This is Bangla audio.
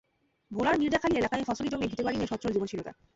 ভোলার মির্জাখালী এলাকায় ফসলি জমি, ভিটেবাড়ি নিয়ে সচ্ছল জীবন ছিল তাঁর।